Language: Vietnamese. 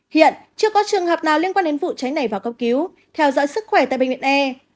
hiện chưa có trường hợp nào liên quan đến vụ cháy này vào cấp cứu theo dõi sức khỏe tại bệnh viện e